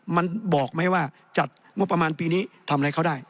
มันบอกไหมว่าจัดงบประมาณปีนี้ทำอะไรเขาได้